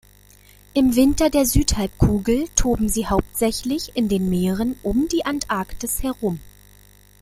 Im Winter der Südhalbkugel toben sie hauptsächlich in den Meeren um die Antarktis herum.